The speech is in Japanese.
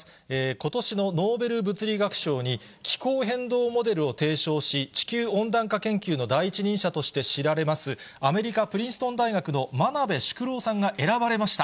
ことしのノーベル物理学賞に、気候変動モデルを提唱し、地球温暖化研究の第一人者として知られます、アメリカ、プリンストン大学の真鍋淑郎さんが選ばれました。